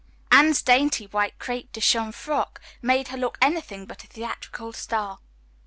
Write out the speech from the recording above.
Anne's dainty white crepe de chine frock made her look anything but a theatrical star.